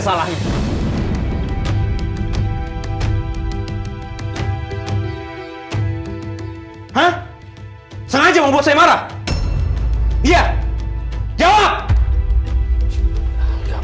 sisi rumah ini